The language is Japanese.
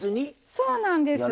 そうなんです。